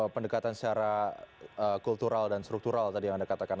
pendekatan secara kultural dan struktural tadi yang anda katakan